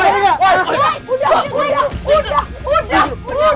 udah udah udah udah